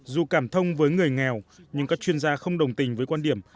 dù cảm thông với người nghèo nhưng các chuyên gia không đồng tình với quan điểm